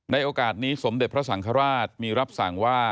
โอกาสนี้สมเด็จพระสังฆราชมีรับสั่งว่า